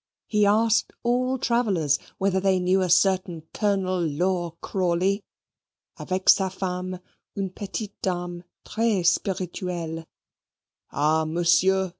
He asked all travellers whether they knew a certain Colonel Lor Crawley avec sa femme une petite dame, tres spirituelle. "Ah, Monsieur!"